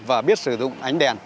và biết sử dụng ánh đèn